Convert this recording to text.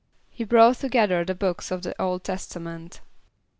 =He brought together the books of the Old Testament.